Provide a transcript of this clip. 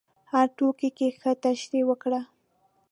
هر توکي ته ښه تشریح وکړه.